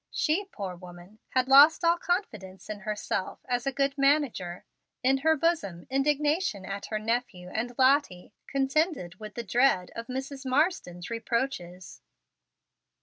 She, poor woman, had lost all confidence in herself as a good manager. In her bosom indignation at her nephew and Lottie contended with the dread of Mrs. Marsden's reproaches.